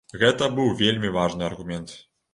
Гэта быў вельмі важны аргумент.